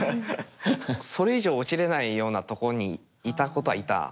それ以上落ちれないようなとこにいたことはいた。